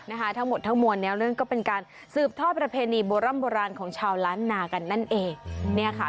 ทั้งหมดทั้งมวลเนี่ยนั่นก็เป็นการสืบทอดประเพณีโบร่ำโบราณของชาวล้านนากันนั่นเองเนี่ยค่ะ